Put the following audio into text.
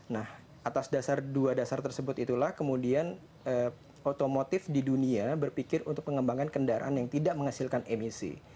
nah atas dasar dua dasar tersebut itulah kemudian otomotif di dunia berpikir untuk pengembangan kendaraan yang tidak menghasilkan emisi